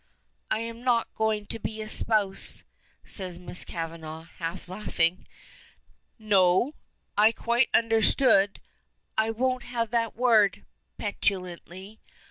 "I'm not going to be espoused," says Miss Kavanagh, half laughing. "No? I quite understood " "I won't have that word," petulantly.